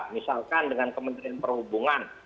misalkan dengan kementerian perhubungan